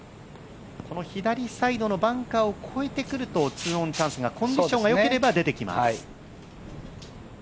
この左サイドのバンカーを越えてくると、２オンチャンス、コンディションがよければ出てきます。